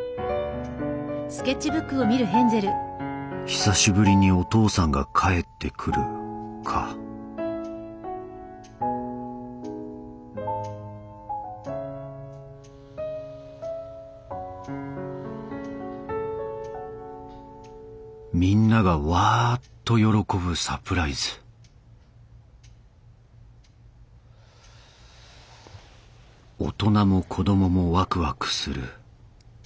「久しぶりにお父さんが帰ってくる」かみんながわっと喜ぶサプライズ大人も子供もワクワクする。